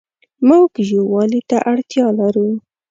موږ يووالي ته اړتيا لرو